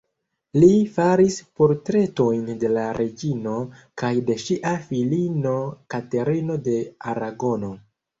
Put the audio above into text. Li faris portretojn de la reĝino kaj de ŝia filino Katerino de Aragono.